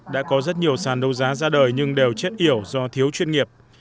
đã có rất nhiều sàn đấu giá ra đời nhưng đều chết yểu do thiếu chuyên nghiệp